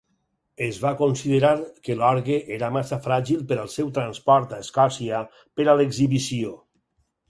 Es va considerar que l'orgue era massa fràgil per al seu transport a Escòcia per a l'exhibició.